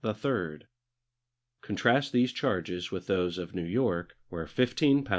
the third. Contrast these charges with those of New York, where £15, 10s.